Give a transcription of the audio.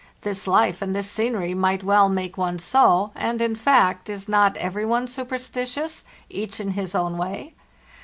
This life and this scenery might well make one so; and, in fact, is not every one superstitious, each in his own way?